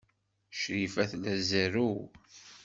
Crifa tella tzerrew.